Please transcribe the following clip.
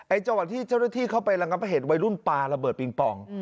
จังหวัดที่เจ้าหน้าที่เข้าไประงับเหตุวัยรุ่นปลาระเบิดปิงปอง